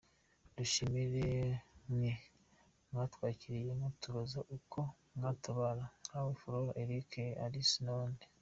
Dushimire mwe mwatwandikiye mutubaza uko mwatabara, nkawe Flora, Eric, Alice n’abandi.